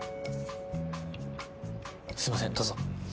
すみませんどうぞ。